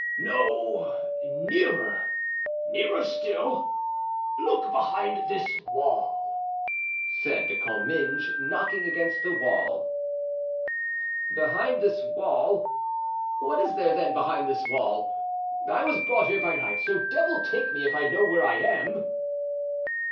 "No; nearer, nearer still. Look, behind this wall," said De Comminges, knocking against the wall. "Behind this wall? What is there, then, behind this wall? I was brought here by night, so devil take me if I know where I am."